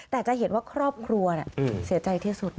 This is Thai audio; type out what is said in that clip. แต่จะเห็นว่าครอบครัวเสียใจที่สุด